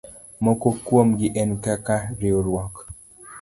Moko kuomgi en kaka:riwruok